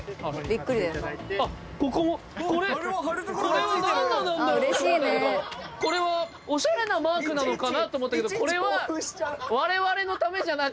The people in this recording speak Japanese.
これは何でなんだろう？と思ったけどおしゃれなマークなのかなと思ったけどこれは。